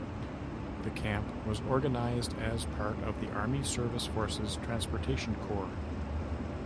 The camp was organized as part of the Army Service Forces Transportation Corps.